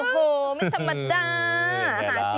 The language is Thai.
โอ้โหไม่ธรรมดา